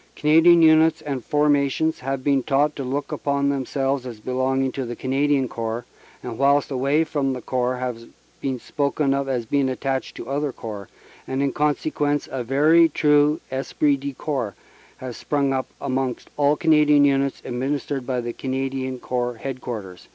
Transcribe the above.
Canadian Units and Formations have been taught to look upon them selves as belonging to the Canadian Corps, and whilst away from the Corps have been spoken of as being attached to other Corps; and in consequence a very true esprit de corps has sprung up amongst all Canadian Units administered by the Canadian Corps Headquarters."